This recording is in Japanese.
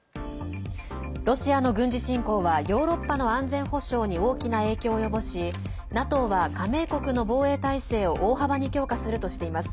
ロシアの軍事侵攻はヨーロッパの安全保障に大きな影響を及ぼしＮＡＴＯは加盟国の防衛態勢を大幅に強化するとしています。